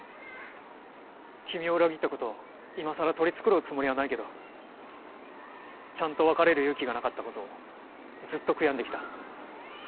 君を裏切ったことをいまさら取り繕うつもりはないけどちゃんと別れる勇気がなかったことをずっと悔やんできた。